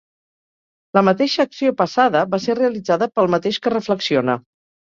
La mateixa acció passada va ser realitzada pel mateix que reflexiona.